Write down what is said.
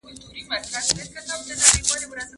ما هابيل دئ په قابيل باندي وژلى